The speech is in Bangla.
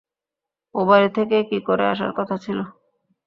ও-বাড়ি থেকেই কি করে আসার কথা ছিল।